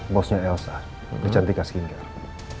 bosnya elsa di cantika skincare